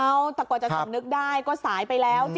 เอ้าแต่ก่อนจะสมนึกได้ก็สายไปแล้ว